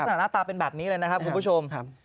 หน้าตาเป็นแบบนี้เลยนะครับคุณผู้ชม